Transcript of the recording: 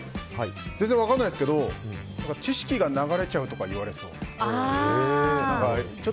全然分からないですけど知識が流れちゃうとか言われそう。